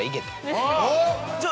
じゃあ。